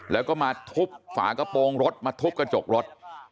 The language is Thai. แล้วก็มาทุบฝากระโปรงรถมาทุบกระจกรถ